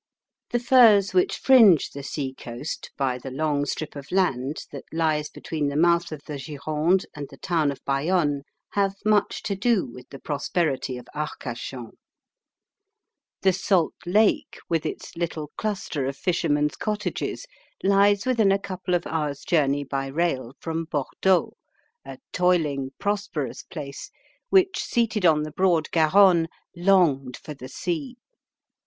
The firs which fringe the seacoast by the long strip of land that lies between the mouth of the Gironde and the town of Bayonne have much to do with the prosperity of Arcachon. The salt lake, with its little cluster of fishermen's cottages, lies within a couple of hours' journey by rail from Bordeaux, a toiling, prosperous place, which, seated on the broad Garonne, longed for the sea.